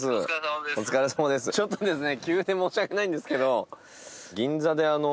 ちょっとですね。